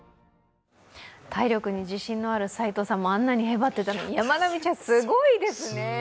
体力に自信のある齋藤さんもあんなにへばっていたのにやまなみちゃんすごいですね。